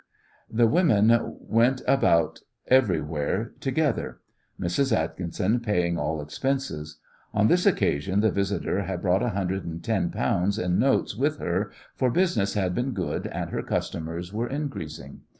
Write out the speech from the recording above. The women went about everywhere together, Mrs. Atkinson paying all expenses. On this occasion the visitor had brought a hundred and ten pounds in notes with her, for business had been good and her customers were increasing.